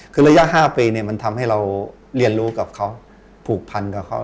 คือระยะ๕ปีมันทำให้เราเรียนรู้กับเขาผูกพันกับเขา